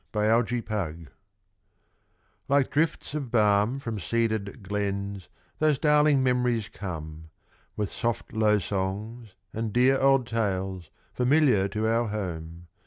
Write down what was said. Under the Figtree Like drifts of balm from cedared glens, those darling memories come, With soft low songs, and dear old tales, familiar to our home.